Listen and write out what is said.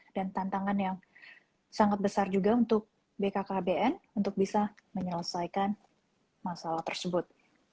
dan tantangan yang sangat besar juga untuk bkkbn untuk bisa menyelesaikan masalah tersebut